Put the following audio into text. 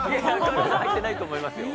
入ってないと思いますよ。